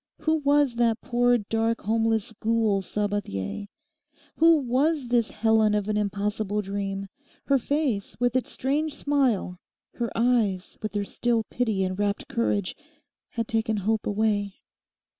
Who was that poor, dark, homeless ghoul, Sabathier? Who was this Helen of an impossible dream? Her face with its strange smile, her eyes with their still pity and rapt courage had taken hope away.